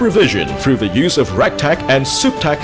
melalui penggunaan solusi regtech dan subtech